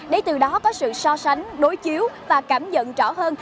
để từ đó có sự so sánh đối chiếu và cảm nhận rõ hơn